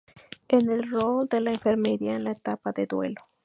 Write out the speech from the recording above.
En rol de la enfermería en la Etapa de duelo.